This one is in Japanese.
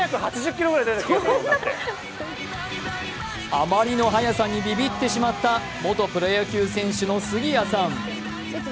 あまりの速さにビビってしまった元プロ野球選手の杉谷さん。